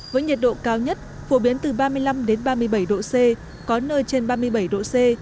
với nhiệt độ cao nhất phổ biến từ ba mươi năm ba mươi bảy độ c có nơi trên ba mươi bảy độ c